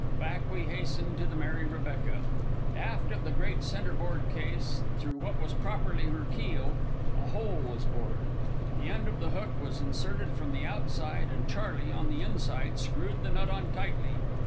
Back we hastened to the Mary Rebecca. Aft of the great centre board case, through what was properly her keel, a hole was bored. The end of the hook was inserted from the outside, and Charley, on the inside, screwed the nut on tightly.